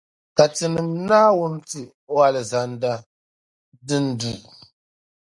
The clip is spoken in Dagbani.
Ka tinim’ Naawuni ti o Alizanda din du.